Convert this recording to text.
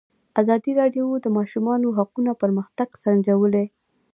ازادي راډیو د د ماشومانو حقونه پرمختګ سنجولی.